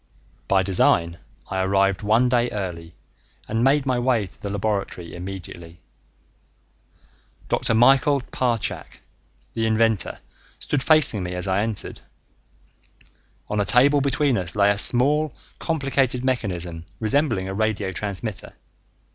By design, I arrived one day early and made my way to the laboratory immediately. Dr. Michael Parchak, the inventor, stood facing me as I entered. On a table between us lay a small complicated mechanism resembling a radio transmitter.